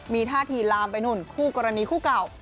มีท่าทีลามไปนู่นคู่กรณีคู่เก่า